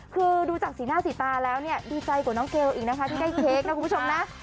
คือดูจากสีหน้าสีตาแล้วเนี่ยดีใจกว่าน้องเกลอีกนะคะที่ได้เค้กนะคุณผู้ชมนะ